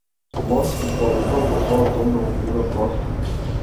Лот ги повикал во својот дом да му бидат гости.